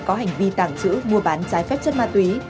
có hành vi tàng trữ mua bán trái phép chất ma túy